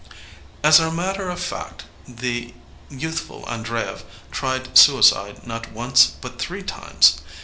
^' As a matter of fact the youthful Andreyev tried suicide not once but three times.